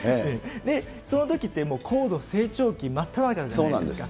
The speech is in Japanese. そのときってもう高度成長期真っただ中じゃないですか。